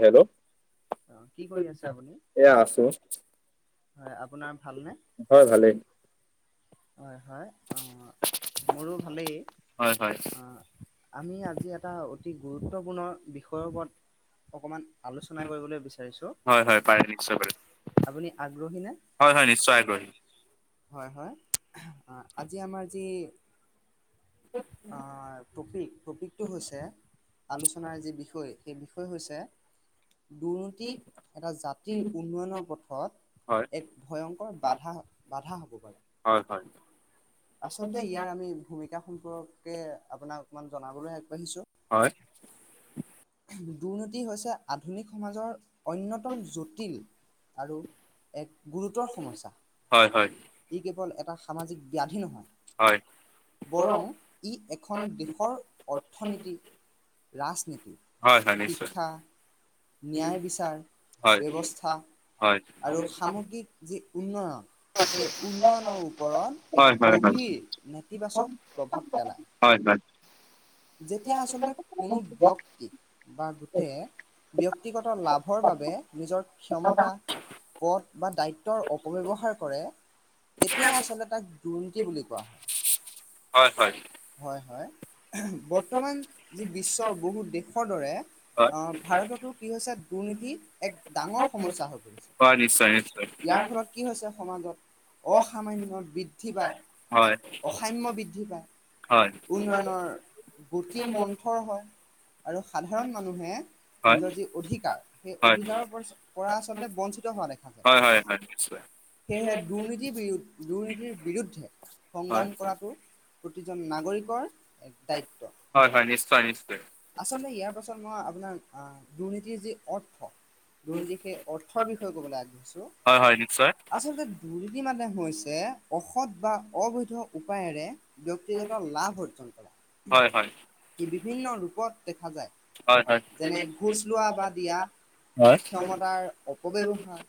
Hello অ কি কৰি আছে আপুনি এয়া আছোঁ। হয় আপোনাৰ ভালনে? হয় ভালেই। হয় হয় অঁ মোৰো ভালেই হয় হয় অঁ। আমি আজি এটা অতি গুৰুত্বপূৰ্ণ বিষয়ৰ ওপৰত অকনমান আলোচনা কৰিবলৈ বিচাৰিছো। হয় হয়। পাৰে্চ [unintelligible] আপুনি আগ্ৰহী নে? হয় হয় নিশ্চয় আগ্ৰহী হয় হয় আজি আমাৰ যি টপিক টপিকটো হৈছে আলোচনাৰ যি বিষয় সেই বিষয় হৈছে দুৰ্নীতিক এটা জাতিৰ উন্নয়নৰ পথত হয় এক ভয়ংকৰ বাধা বাধা হ'ব পাৰে। হয়, হয়। আচলতে ইয়াৰ আমি ভূমিকা সম্পৰ্কে আপোনাক অকনমান জনাবলৈ আগবাঢ়িছোঁ। হয়। দুৰ্নীতি হৈছে আধুনিক সমাজৰ অন্যতম জটিল আৰু এক গুৰুতৰ সমস্যা হয় হয় ই কেৱল এটা সামাজিক ব্যাধি নহয় হয় বৰং ই এখন দেশৰ অৰ্থনীতি, ৰাজনীতি- হয় হয় নিশ্চয়। শিক্ষা, ন্যায় বিচাৰ হয় ব্যৱস্থা হয় আৰু সামগ্ৰিক যি উন্নয়ন সেই উন্নয়নৰ ওপৰত এক হয় হয় হয়। গভীৰ নেতিবাচক প্ৰভাৱ পেলায়। হয়, হয়। যেতিয়া আচলতে কোনো ব্যক্তিক বা গোটেই ব্যক্তিগত লাভৰ বাবে নিজৰ ক্ষমতা পথ বা দায়িত্বৰ অপব্যৱহাৰ কৰে। তেতিয়াই আচলতে তাক দুৰ্নীতি বুলি কোৱা হয়। হয় হয় হয হয়। বৰ্তমান যি বিশ্বৰ বহু দেশৰ দৰে হয় আহ ভাৰততো কি হৈছে দুৰ্নীতি এক ডাঙৰ সমস্যা হৈ পৰিছে হয় নিশ্চয় নিশ্চয় ইয়াৰ ফলত কি হৈছে সমাজত অসামান্য বৃদ্ধি পায়। হয় অসাম্য বৃদ্ধি পায় হয় উন্নয়নৰ গতি মন্থৰ হয় আৰু সাধাৰণ মানুহে হয় নিজৰ যি অধিকাৰ সেই হয়। অধিকাৰৰ পৰা আচলতে বঞ্চিত হোৱা দেখা হয় যায়। হয় হয় নিশ্চয় সেয়েহে দুৰ্নীতি বি দুৰ্নীতিৰ বিৰুদ্ধে হয় সংগ্ৰাম কৰাটো প্ৰতিজন নাগৰিকৰ এক দায়িত্ব। হয় হয় নিশ্চয় নিশ্চয়। আচলতে ইয়াৰ পাছত মই আপোনাৰ দুৰ্নীতিৰ যি অৰ্থ দুৰ্নীতিৰ সেই অৰ্থৰ বিষয়ে ক'বলৈ আগবাঢ়িছো হয় হয় নিশ্চয় আচলতে দুৰ্নীতিৰ মানে হৈছে অসৎ বা অবৈধ উপায়েৰে ব্যয়ক্তিগত লাভ অৰ্জন কৰা হয় হয় ই বিভিন্ন ৰূপত দেখা যায়। হয় হয় যেনে ঘুচ লোৱা বা দিয়া। হয় ক্ষমতাৰ অপব্যৱহাৰ।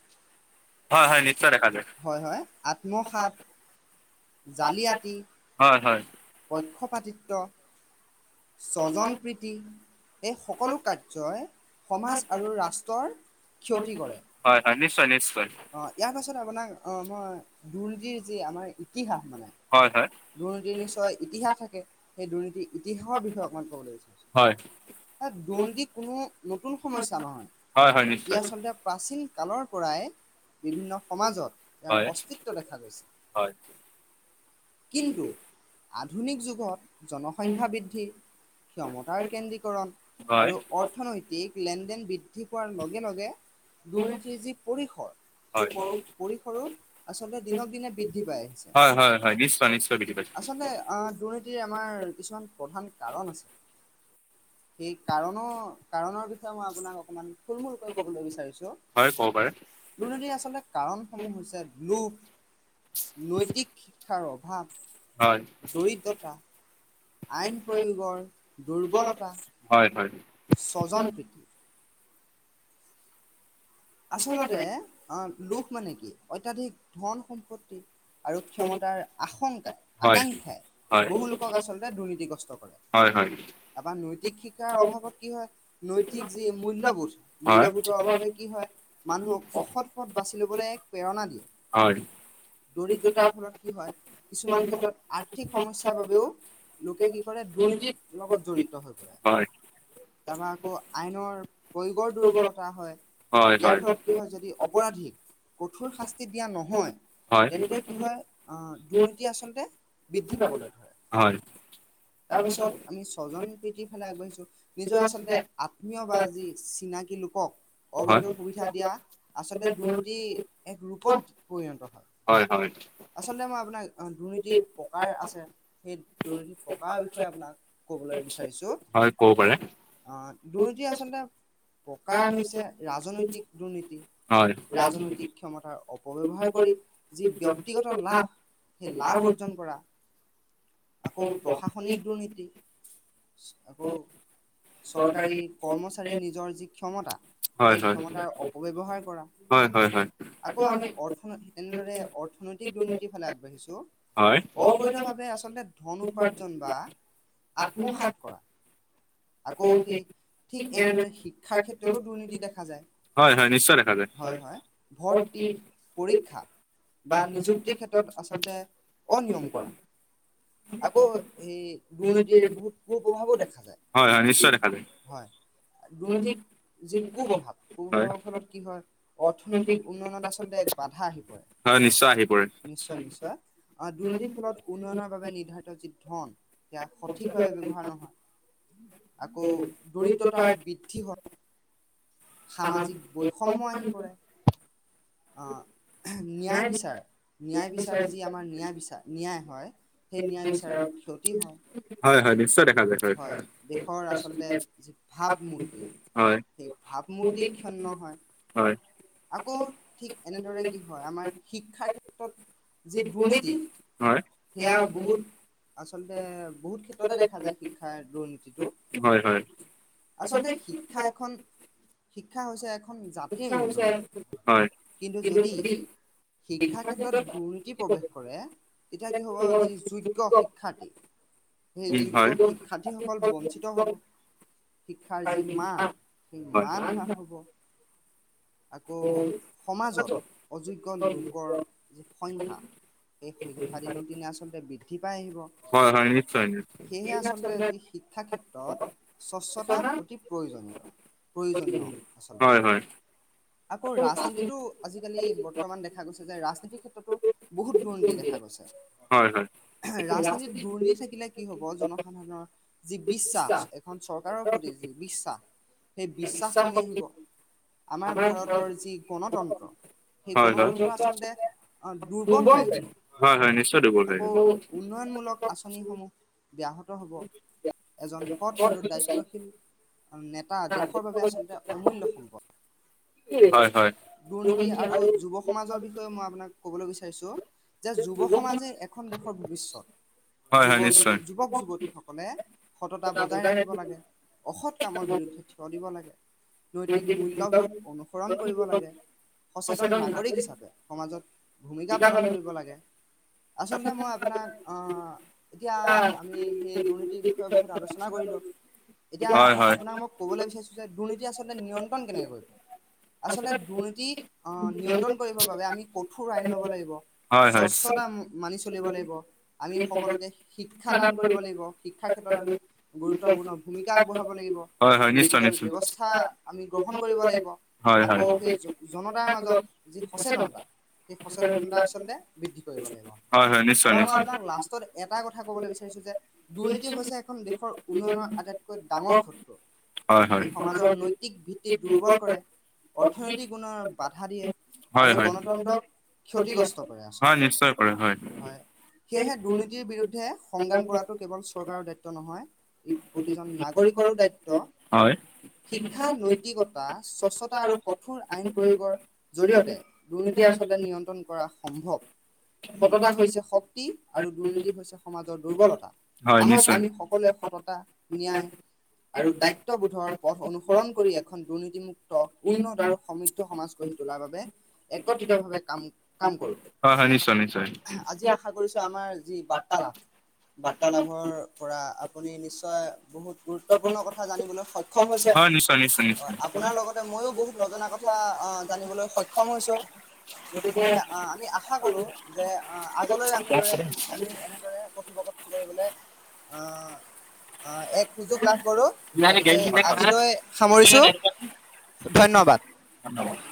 হয় হয় নিশ্চয় দেখা যায় হয় হয় আত্মসাত জালআতি, হয় হয় পক্ষপাতিত্ব স্বজন প্ৰীতি এই সকলো কাৰ্যই সমাজ আৰু ৰাষ্ট্ৰৰ হয় হয় নিশ্চয় নিশ্চয়। অঁ ইয়াৰ পাছত আপোনাক অঁ মই দুৰ্নীতিৰ যি আমাৰ ইতিহাস মানে হয় হয় দুৰ্নীতিৰ নিশ্চয় ইতিহাস থাকে সেই দুৰ্নীতিৰ ইতিহাসৰ বিষয়ে অকণমান কবলৈ বিচাৰিছোঁ। হয় দুৰ্নীতিৰ কোনো নতুন সমস্যা নহয় হয় হয় ই নিশ্চয় আচলতে প্ৰাচীন কালৰ পৰাই বিভিন্ন সমাজত তেওঁৰ হয় অস্তিত্ব দেখা গৈছে। হয় কিন্তু আধুনিক যুগত জন সংখ্যা বৃদ্ধি ক্ষমতাৰ কেন্দ্ৰিকৰন হয় আৰু অৰ্থনৈতিক লেনদেন বৃদ্ধি পোৱাৰ লগে লগে দুৰ্নীতিৰ যি পৰিসৰ সেই হয় পৰিসৰো আচলতে দিনক দিনে বৃদ্ধি পাই আহিছে। হয় হয় হয় নিশ্চয় নিশ্চয় বুজি আচলতে অ দুৰ্নী দুৰ্নীতিৰ আমাৰ কিছুমান প্ৰধান কাৰণ আছে সেই কাৰণো কাৰণৰ বিষয়ে মই আপোনাক অকণমান থূলমূলকৈ ক'বলৈ বিচাৰিছোঁ। পাইছোঁ হয় ক'ব পাৰে দুৰ্নীতিৰ আচলতে কাৰণসমূহ হৈছে লোভ। নৈতিক শিক্ষাৰ অভাৱ। হয়। দৰিদ্ৰতা, আইন প্ৰয়োগৰ দুৰ্বলতা হয় হয় স্বজন প্ৰীতি। আচলতে লোক মানে কি অত্যাধিক ধন সম্পত্তি। আৰু ক্ষমতাৰ আশংকাই হয় হয় আকাংক্ষাই বহুলোকক আচলতে দুৰ্নীতিগ্ৰস্ত কৰে। হয় হয়। তাৰপৰা নৈতিক শিক্ষাৰ অভাৱত কি হয় নৈতিক যি মূল্যবোধ মূল্যবোধৰ অভাৱে কি হয় মানুহক অসৎ পথ বাচি ল'বলৈ এক প্ৰেৰণা দিয়ে। হয় দৰিদ্ৰতাৰ ফলত কি হয় কিছুমান ক্ষেত্ৰত আৰ্থিক সমস্যাৰ বাবেও লোকে কি কৰে দুৰ্নীতিৰ লগত জড়িত হৈ পৰে। তাৰপৰা আকৌ আইনৰ প্ৰয়োগৰ দুৰ্বলতা হয়। ইয়াৰ ফলত কি হয় যদি অপৰাধীক কঠোৰ শাস্তি দিয়া নহয়। হয় তেন্তে কি হয় আ দুৰ্নীতি আচলতে বৃদ্ধি পাবলৈ ধৰে হয় তাৰপিছত আমি ছজন প্ৰীতিৰ ফালে আগবাঢ়িছোঁ নিজৰ আচলতে আত্মীয় বা যি চিনাকি লোকক অবৈধ সুবিধা দিয়া আচলতে দুৰ্নীতি এক ৰূপত পৰিণত হয়। হয় হয় আচলতে মই আপোনাক দুৰ্নীতিৰ প্ৰকাৰ আছে সেই দুৰ্নীতি পকাৰ বিষয়ে আপোনাক কবলৈ বিচাৰিছো হয় ক'ব পাৰে। আ দুৰ্নীতি আচলতে প্ৰকাৰ হৈছে ৰাজনৈতিক দুৰ্নীতি। হয় ৰাজনৈতিক ক্ষমতাৰ অপব্যৱহাৰ কৰি যি ব্যক্তি লাভ সেই লাভ অৰ্জন কৰা আকৌ প্ৰশাসনিক দুৰ্নীতি। আকৌ চৰকাৰী কৰ্মচাৰীয়ে নিজৰ যি ক্ষমতা হয় সেই হয় হয় ক্ষমতাৰ অপব্যৱহাৰ কৰা হয় হয় আকৌ আমি অৰ্থ তেনেদৰে অৰ্থনৈতিক দুৰ্নীতিৰ ফালে আগবাঢ়িছো। হয় অবৈধভাৱে আচলতে ধন উপাৰ্জন বা আত্মসাত কৰা আকৌ সেই ঠিক এনেদৰে শিক্ষাৰ ক্ষেত্ৰতো দুৰ্নীতি দেখা হয় হয় নিশ্চয় যায় দেখা যায় হয় হয়, ভৰ্তি পৰীক্ষা। বা নিযুক্তিৰ ক্ষেত্ৰত আচলতে অনিয়ম কৰা আকৌ সেই দুৰ্নীতিৰ বহুত কুপ্ৰভাৱো দেখা যায়। হয় হয় নিশ্চয় দেখা যায়। দুৰ্নীতিক যি কুপ্ৰভাৱ হয় কুপ্ৰভাৱৰ ফলত কি হয় অৰ্থনৈতিক উন্নয়নত আচলতে বাধা আহি পৰে হয় আহি পৰে নিশ্চয় নিশ্চয় আ দুৰ্নীতি ফলত উন্নয়নৰ বাবে নিৰ্ধাৰিত যি ধন সেয়া সঠিকভাৱে ব্যৱহাৰ নহয় আকৌ দৰিদ্ৰতা বৃদ্ধি হয় সামাজিক বৈষম্য আহি পৰে অঁ ন্যায় বিচাৰ ন্যায় বিচাৰ যি আমাৰ ন্যায় বিচাৰ ন্যায় হয়। সেই ন্যায় বিচাৰৰ ক্ষতি হয়। হয় হয় নিশ্চয় দেখা যায় হয় দেশৰ আচলতে যি ভাৱমূৰ্তি। হয় সেই ভাৱমূৰ্তি ক্ষন্ন হয়। হয় আকৌ ঠিক এনেদৰে কি হয় আমাৰ শিক্ষাৰ ক্ষেত্ৰত যি দুৰ্নীতি হয় সেয়া বহুত আচলতে বহুত ক্ষেত্ৰতে দেখা যায় শিক্ষাৰ দুৰ্নীতিটো হয় হয় হয় হয় আচলতে শিক্ষা এখন শিক্ষা হৈছে এ এখন জাতি মেৰুদণ্ড হয় কিন্তু যদি শিক্ষা ক্ষেত্ৰত দুৰ্নীতি প্ৰৱেশ কৰে, তেতিয়া কি হ'ব যি যোগ্য শিক্ষাৰ্থী- সেই উম, যোগ্য হয়। শিক্ষাৰ্থীসকল বঞ্চিত হ'ব। শিক্ষাৰ যি মান, সেই মান হাস হ'ব। আকৌ সমাজত অযোগ্য লোকৰ যি সংখ্যা- এই সংখ্যা দিনক দিনে আচলতে বৃদ্ধি পাই আহিব। হয়, হয়, হয়, নিশ্চয়, নিশ্চয়, সেয়েহে আচলতে আজি শিক্ষা ক্ষেত্ৰত স্বচ্ছতা অতি- প্ৰয়োজন প্ৰয়োজনীয় আচলতে। হয়, হয়, আকৌ ৰাজনীতিটো আজিকালি বৰ্তমান দেখা গৈছে যে, ৰাজনীতিৰ ক্ষেত্ৰতো- বহুত দূৰনীতি দেখা গৈছে। হয়, হয়, ৰাজনীতিত দুৰ্নীতি থাকিলে কি হ'ব, জনসাধাৰণৰ যি বিশ্বাস- এখন চৰকাৰৰ প্ৰতি যি বিশ্বাস, সেই বিশ্বাস কমি আহিব। আমাৰ- ভাৰতৰ যি গণতন্ত্ৰ, সেই হয়, হয়। গণতন্ত্ৰ আচলতে- অঁ' দুৰ্বল হৈ আহিব, হয়, হয়, নিশ্চয় দুৰ্বল হৈ আকৌ গ'ল। উন্নয়নমূলক- আঁচনিসমূহ ব্যাহত হ'ব, এজন সৎ আৰু দায়িত্বশীল- নেতা দেশৰ বাবে আচলতে অমূল্য সম্পদ। হয়, হয়, দুৰ্নীতি আৰু যুৱ সমাজৰ বিষয়ে মই আপোনাক ক'বলৈ বিচাৰিছোঁ, - যে যুৱ সমাজেই এখন দেশৰ ভৱিষ্যত। হয়, যুৱ হয়, যু নিশ্চয়, যুৱক যুৱতী সকলে সততা বজাই ৰাখিব লাগে। অসৎ কামৰ বিৰুদ্ধে থিয় দিব লাগে, নৈতিক মূলয়বোধ- অনুসৰণ কৰিব লাগে। সচেতন নাগৰিক হিচাপে, সমাজত ভূমিকা পালন কৰিব লাগে। আচলতে মই আপোনাক অঁ- এতিয়া আমি সেই দুৰ্নীতিৰ বিষয়ে বহুত আলোচনা কৰিলোঁ- এতিয়া হয়, হয়। আপোনাক মই ক'বলে বিচাৰিছোঁ যে, দুৰ্নীতি আচলতে নিয়ন্ত্ৰণ কেনেকে কৰিব? আচলতে দুৰ্নীতি অঁ' নিয়ন্ত্ৰণ কৰিবৰ বাবে আমি কঠোৰ আইন ল'ব লাগিব, হয়, হয়। স্বচ্ছতা- মানি চলিব লাগিব, আমি সকলোকে শিক্ষা দান কৰিব লাগিব শিক্ষাৰ ক্ষেত্ৰত আমি- গুৰুত্বপূৰ্ণ ভূমিকা আগবঢ়াব লাগিব, হয়, হয়, নিশ্চয়, ডিজিটেল নিশ্চয়। ব্যৱস্থা আমি গ্ৰহণ কৰিব লাগিব। হয়, হয়। আকৌ সেই জ জনতাৰ মাজত যি সচেতনতা, সেই সচেতনতা আচলতে- বৃদ্ধি কৰিব লাগিব। হয়, নিশ্চয়, তাৰপৰা মই আপোনাক লাষ্টত নিশ্চয়। এটা কথা হয় কবলৈ বিচাৰিছো যে, দুৰ্নীতি হৈছে এখন দেশৰ উন্নয়নৰ আটাইত- কৈ ডাঙৰ শত্ৰু, ই হয়। সমাজৰ নৈতিক ভিত্তিত দুৰ্বল কৰে- অৰ্থনৈতিক উন্নয়নৰ বাধা দিয়ে। হয় আৰু হয়, গণতন্ত্ৰক ক্ষতিগ্ৰস্ত কৰে হয় আচলতে নিশ্চয় কৰে হয়। সেয়েহে দুৰ্নীতিৰ বিৰুদ্ধে সংগ্ৰাম কৰাটো কেৱল চৰকাৰৰ দায়িত্ব নহয়, ই প্ৰতিজন নাগৰিকৰো দায়িত- ত। হয় শিক্ষা নৈতিকতা স্বচ্ছতা আৰু- কঠোৰ আইন প্ৰয়োগৰ জৰিয়তে দুৰ্নীতি আচলতে নিয়ন্ত্ৰণ কৰা সম্ভৱ। সততা হৈছে শক্তি আৰু দুৰ্নীতি হৈছে সমাজৰ দুৰ্বলতা। হয় আহক নিশ্চয়। আমি সকলোৱে সততা, ন্যায়- আৰু দায়িত্ববোধৰ পথ অনুসৰণ কৰি এখন দুৰ্নীতিমুক্ত- উন্নত আৰু সমিদ্ধ সমাজ গঢ়ি তোলাৰ বাবে একত্ৰিতভাৱে কাম কাম কৰোঁ। হয় হয়, নিশ্চয় নিশ্চয়। আজি আশা কৰিছোঁ, আমাৰ যি বাৰ্তালাপ- বাৰ্তালাভৰ পৰা আপুনি নিশ্চয় বহুত গুৰুত্বপূৰ্ণ কথা জানিবলৈ সয়- ক্ষম হৈছে, হয় নিশ্চয় নিশ্চয় অ আপোনাৰ লগতে ময়ো- বহুত নজনা কথা অঁ জানিবলৈ সক্ষম হৈছোঁ, গতিকে আমি আশা কৰোঁ, - যে আ আগলৈ আমি দৰে আমি এনেদৰে কঠিব ক কৰিবলৈ অ অ এক সুযোগ লাভ কৰোঁ গতিকে নিশ্চয়। আজিলৈ সামৰিছোঁ ধন্যবাদ। [inaudible]